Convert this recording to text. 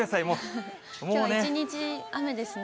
きょうは一日雨ですね。